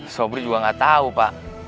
sobri juga gak tau pak